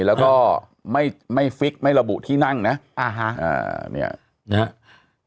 แล้วก็ไม่ไม่ฟิกไม่ระบุที่นั่งนะอ่าฮะอ่าเนี่ยนะฮะ